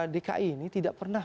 dki ini tidak pernah